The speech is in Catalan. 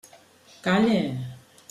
Calle!